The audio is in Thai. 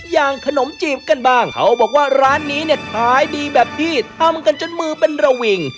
อย่างขนมจีบกันบ้างเขาบอกว่าร้านนี้เนี่ยขายดีแบบที่ทำกันจนมือเป็นระวิง